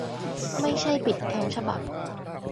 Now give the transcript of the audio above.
ไม่ใช่ปิดทั้งฉบับ